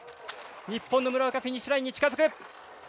日本の村岡フィニッシュラインに近づく。